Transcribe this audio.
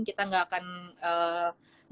kita gak akan